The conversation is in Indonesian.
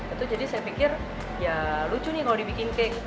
itu jadi saya pikir ya lucu nih kalau dibikin cake